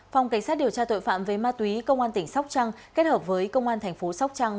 phòng cảnh sát điều tra tội phạm với ma túy công an tỉnh sóc trăng kết hợp với công an tp sóc trăng